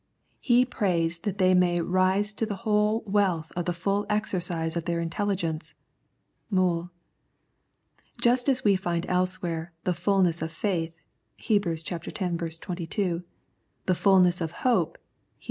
He prays that they may " rise to the whole wealth of the full exercise of their intelligence " (Moule). Just as we find else where " the fulness of faith " (Heb. x. 22), "the fulness of hope" (Heb.